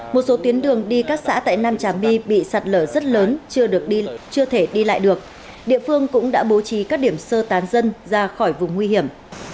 một số tuyến đường đi các xã tại nam trà my bị sạt lở rất lớn chưa thể đi lại được địa phương cũng đã bố trí các điểm sơ tán dân ra khỏi vùng nguy hiểm